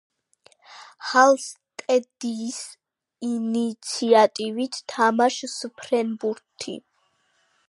ჰალსტედის ინიციატივით თამაშს ფრენბუთი